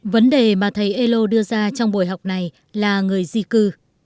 vấn đề mà thầy elo đưa ra trong buổi học này là người di cư